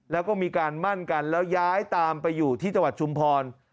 แล้วก็มีการมั่นกันแล้วย้ายตามไปอยู่ที่จังหวัดชุมพร